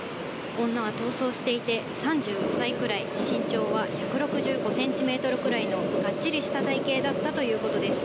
女は逃走していて、３５歳くらい、身長は１６５センチメートルくらいのがっちりした体形だったということです。